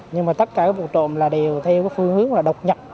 nhưng mà tất cả các vụ trộm là đều theo cái phương hướng là độc nhập